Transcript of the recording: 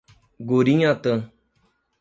Gurinhatã